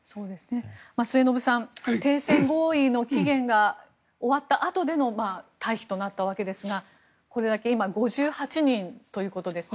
末延さん停戦合意の期限が終わったあとでの退避となったわけですがこれだけ今５８人ということですね。